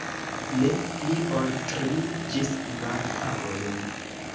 Ne pli ol tri ĝis kvar tagojn.